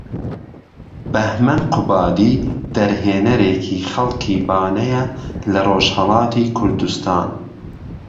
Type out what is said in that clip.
بەهمەن قوبادی دەرهێنەرێکی خەڵکی بانەیە لە رۆژهەڵاتی کوردوستان